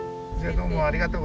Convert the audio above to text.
どうもありがとう。